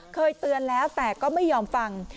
เคยเตือนแล้วแต่ก็ไม่ยอมฟัง